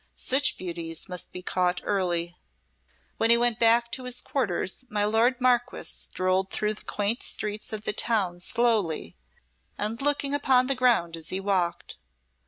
Such beauties must be caught early." When he went back to his quarters, my lord Marquess strolled through the quaint streets of the town slowly, and looking upon the ground as he walked.